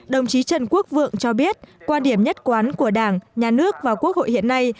đồng chí trần quốc vượng cho biết quan điểm nhất quán của đảng nhà nước và quốc hội hiện nay